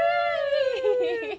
フフフ。